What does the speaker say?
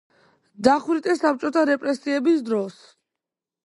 დახვრიტეს საბჭოთა რეპრესიების დროს.